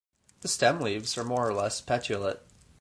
The stem leaves are more or less petiolate.